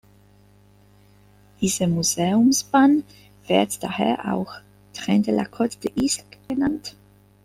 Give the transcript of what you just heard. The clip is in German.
Diese Museumsbahn wird daher auch "Train de la Côte des Isles" genannt.